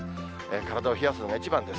体を冷やすのが一番です。